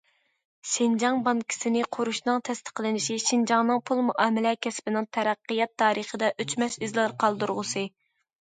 شىنجاڭ بانكىسىنى قۇرۇشنىڭ تەستىقلىنىشى شىنجاڭنىڭ پۇل مۇئامىلە كەسپىنىڭ تەرەققىيات تارىخىدا ئۆچمەس ئىزلار قالدۇرغۇسى.